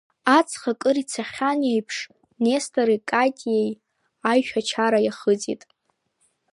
Аҵх акыр ицахьан еиԥш Нестори Катиеи аишәачара иахыҵит.